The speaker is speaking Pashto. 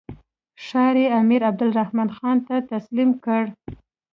ښار یې امیر عبدالرحمن خان ته تسلیم کړ.